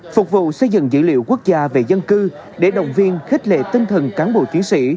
phục vụ xây dựng dữ liệu quốc gia về dân cư để động viên khích lệ tinh thần cán bộ chiến sĩ